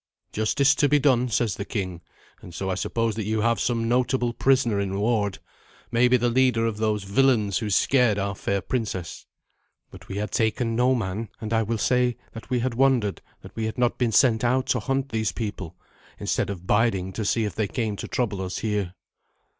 'Justice to be done,' says the king, and so I suppose that you have some notable prisoner in ward maybe the leader of those villains who scared our fair princess." "But we had taken no man, and I will say that we had wondered that we had not been sent out to hunt those people, instead of biding to see if they came to trouble us here."